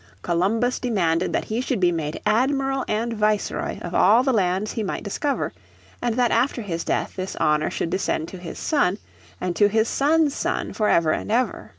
Columbus demanded that he should be made admiral and viceroy of all the lands he might discover, and that after his death this honour should descend to his son and to his son's son for ever and ever.